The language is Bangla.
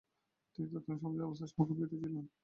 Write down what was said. তিনি তৎকালীন সমাজের অবস্থা সম্পর্কে ভীত ছিলেন।